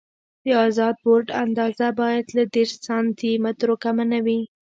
د ازاد بورډ اندازه باید له دېرش سانتي مترو کمه نه وي